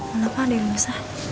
gapapa ada yang rusak